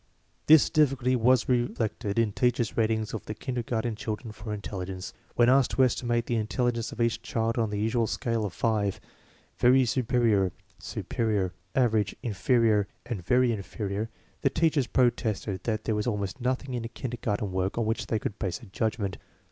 This difficulty was reflected in teachers* ratings of * he kindergarten children for intelligence. When i jsked to estimate the intelligence of each child on the usual scale of five: very superior, superior, average, inferior, and very inferior, the teachers protested that there was almost nothing in kindergarten work on which they could base a judgment.